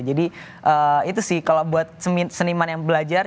jadi itu sih kalau buat seniman yang belajar